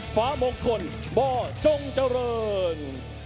ฟ้ามงคลบ่อจงเจริญ